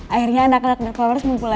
akhirnya anak anak dead flowers mumpul lagi